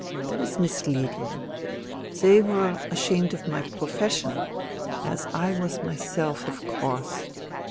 That is misleading. They were ashamed of my profession, as I was myself, of course.